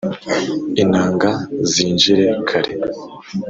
inanga zinjire kare